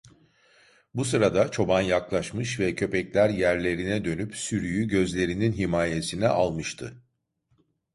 Bu sırada çoban yaklaşmış ve köpekler yerlerine dönüp sürüyü gözlerinin himayesine almıştı.